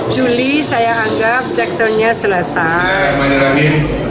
juli saya anggap cekselnya selesai